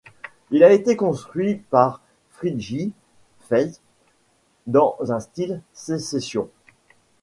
Il a été construit par Frigyes Feszl dans un style Sécession.